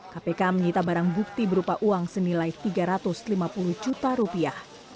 kpk menyita barang bukti berupa uang senilai tiga ratus lima puluh juta rupiah